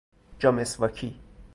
جا مسواکی